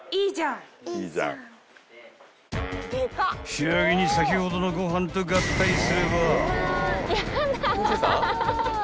［仕上げに先ほどのご飯と合体すれば］